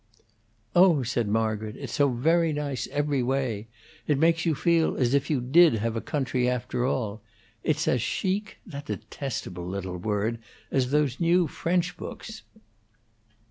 "Oh," said Margaret, "it's so very nice, every way; it makes you feel as if you did have a country, after all. It's as chic that detestable little word! as those new French books."